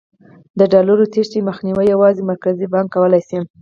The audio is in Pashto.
د ډالرو تېښتې مخنیوی یوازې مرکزي بانک کولای شي.